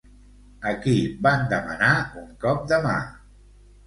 A qui van demanar un cop de mà?